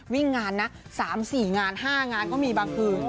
วิ่งงานนะ๓๔งาน๕งานก็มีบางคืน